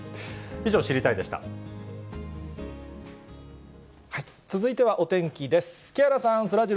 以上、続いてはお天気です。